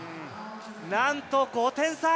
なんと５点差。